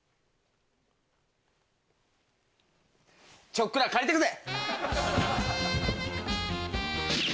ちょっくら借りてくぜ！